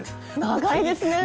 長いですね！